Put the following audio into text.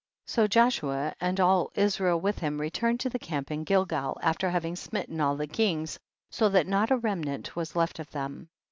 23. So Joshua and all Israel with him returned to the camp in Gilgal, after having smitten all the kings, so that not a remnant was left of them.